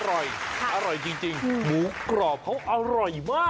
อร่อยอร่อยจริงหมูกรอบเขาอร่อยมาก